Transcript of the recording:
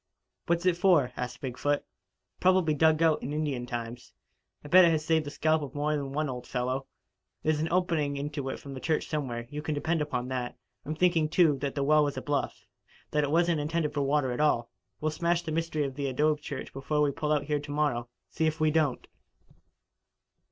What's it for?" asked Big foot. "Probably dug out in Indian times. I'll bet it has saved the scalp of more than one old fellow. There's an opening into it from the church somewhere, you can depend upon that. I'm thinking, too, that the well was a bluff that it wasn't intended for water at all. We'll smash the mystery of the adobe church before we pull out of here to morrow, see if we don't."